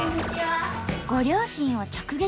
ご両親を直撃。